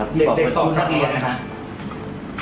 ที่บอกว่าเด็กมันชู้ทักเรียนนะครับ